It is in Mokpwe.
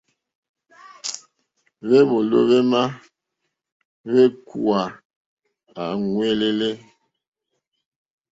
Hwěwòló hwémá hwékúwǃá ŋwɛ́ǃɛ́lɛ́.